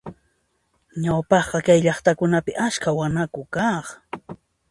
Ñawpaqqa kay llaqtakunapi askha wanaku kaq.